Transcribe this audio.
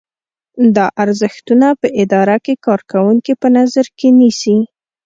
دا ارزښتونه په اداره کې کارکوونکي په نظر کې نیسي.